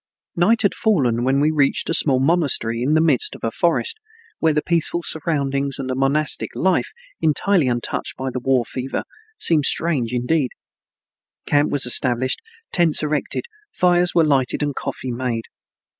Night had fallen when we reached a small monastery in the midst of a forest, where the peaceful surroundings and the monastic life, entirely untouched by the war fever, seemed strange indeed. Camp was established, tents erected, fires were lighted, and coffee made.